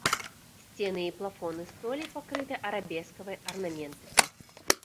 Сцены і плафоны столі пакрыты арабескавай арнаментыкай.